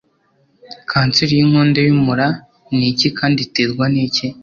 Kanseri y'inkondo y'umura ni iki kandi iterwa n'iki?